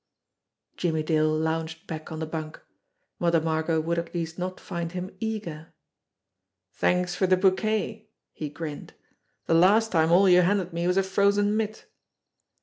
Jimmie Dale lounged back on the bunk. Mother Margot would at least not find him eager. "Thanks for the bouquet!" he grinned. "The last time all you handed me was a frozen mitt."